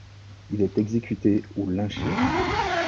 Il est exécuté ou lynché.